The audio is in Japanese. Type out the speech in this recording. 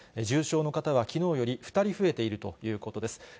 重症の方はきのうより２人増えているということです。